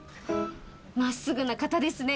まっすぐな方ですね